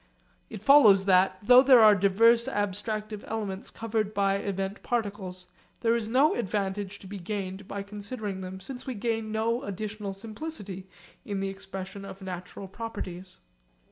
It follows that, though there are diverse abstractive elements covered by event particles, there is no advantage to be gained by considering them since we gain no additional simplicity in the expression of natural properties.